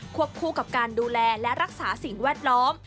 วบคู่กับการดูแลและรักษาสิ่งแวดล้อม